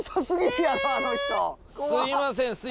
すいません